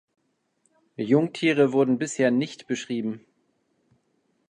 Jungtiere wurden bisher nicht beschrieben.